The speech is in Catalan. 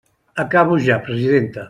Acabo ja, presidenta.